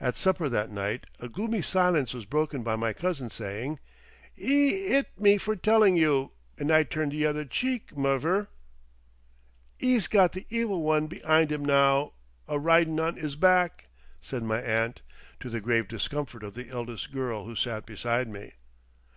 At supper that night a gloomy silence was broken by my cousin saying, "'E 'it me for telling you, and I turned the other cheek, muvver." "'E's got the evil one be'ind 'im now, a ridin' on 'is back," said my aunt, to the grave discomfort of the eldest girl, who sat beside me.